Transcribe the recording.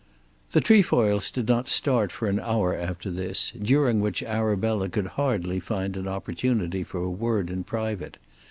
The Trefoils did not start for an hour after this, during which Arabella could hardly find an opportunity for a word in private.